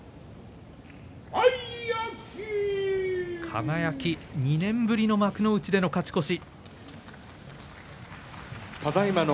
輝、２年ぶりの幕内での勝ち越し。